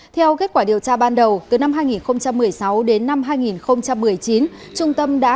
theo kết quả điều tra ban đầu từ năm hai nghìn một mươi sáu đến năm hai nghìn một mươi chín